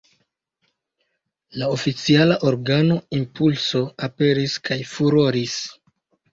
La oficiala organo "Impulso" aperis kaj "furoris".